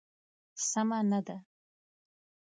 سمه نه ده.